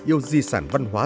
yêu di sản văn hóa